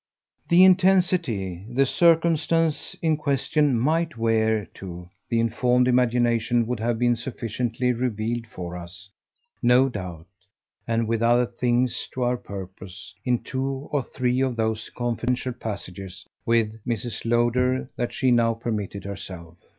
The intensity the circumstance in question MIGHT wear to the informed imagination would have been sufficiently revealed for us, no doubt and with other things to our purpose in two or three of those confidential passages with Mrs. Lowder that she now permitted herself.